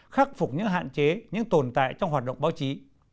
khắc phục những hạn chế những tồn tại trong hoạt động báo chí